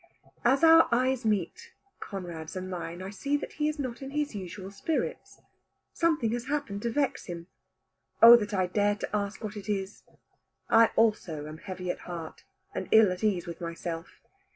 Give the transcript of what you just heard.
As our eyes meet, Conrad's and mine, I see that he is not in his usual spirits. Something has happened to vex him. Oh that I dared to ask what it is. I also am heavy at heart, and ill at ease with myself.